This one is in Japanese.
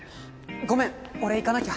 ごめん俺行かなきゃ